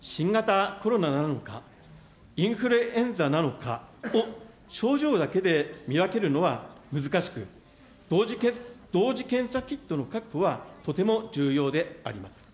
新型コロナなのか、インフルエンザなのかを症状だけで見分けるのは難しく、同時検査キットの確保はとても重要であります。